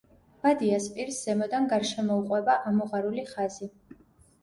ბადიას პირს, ზემოდან, გარშემოუყვება ამოღარული ხაზი.